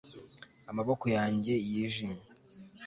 amaboko yanjye yijimye